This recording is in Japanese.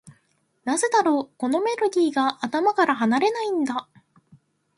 なぜだろう、このメロディーが頭から離れないんだ。